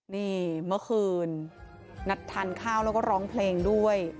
นี่เมื่อคืนนัดทานข้าวแล้วก็ร้องเพลงด้วย